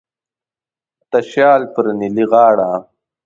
د تشیال پر نیلی غاړه